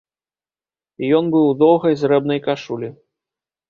Ён быў у доўгай зрэбнай кашулі.